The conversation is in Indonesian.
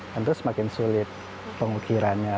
tentu semakin sulit pengukirannya